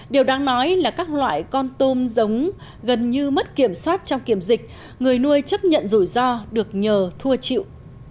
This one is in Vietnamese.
điều đáng nói là các loại con tôm giống gần như mất kiểm soát trong kiểm dịch người nuôi chấp nhận rủi ro được nhờ thua chịu